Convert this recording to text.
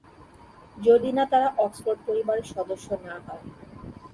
যদি না তারা অক্সফোর্ড পরিবারের সদস্য না হয়!